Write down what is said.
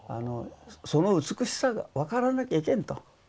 その美しさが分からなきゃいけんと。